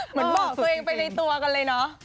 เหมือนบอกตัวเองไปในตัวกันเลยเนอะ